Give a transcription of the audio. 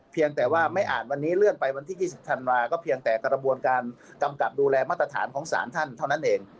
เพียงแต่ว่าไม่อ่านวันนี้เลื่อนไปวันที่๒๐ธันวาก็เพียงแต่กระบวนการกำกับดูแลมาตรฐานของสารท่านเท่านั้นเอง